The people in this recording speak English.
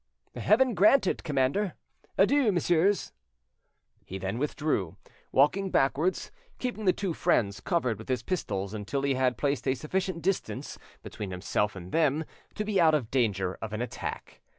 "Heaven grant it, commander! Adieu, messieurs." He then withdrew, walking backwards, keeping the two friends covered with his pistols until he had placed a sufficient distance between himself and them to be out of danger of an attack.